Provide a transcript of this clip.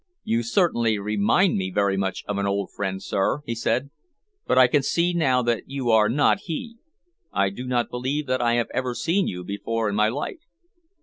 "You certainly remind me very much of an old friend, sir," he said, "but I can see now that you are not he. I do not believe that I have ever seen you before in my life."